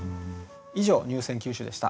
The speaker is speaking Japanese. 以上入選九首でした。